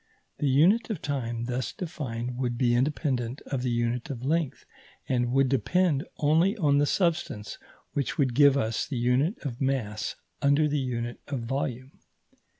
The unit of time thus defined would be independent of the unit of length, and would depend only on the substance which would give us the unit of mass under the unit of volume.